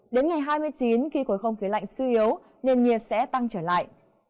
đến ngày hai mươi chín khi khối không khí lạnh suy yếu nền nhiệt sẽ tăng trở lại